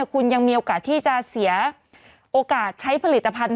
คุณยังมีโอกาสที่จะเสียโอกาสใช้ผลิตภัณฑ